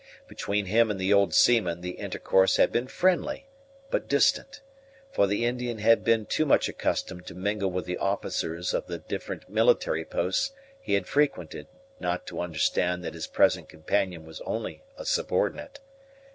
Between him and the old seaman the intercourse had been friendly, but distant; for the Indian had been too much accustomed to mingle with the officers of the different military posts he had frequented not to understand that his present companion was only a subordinate.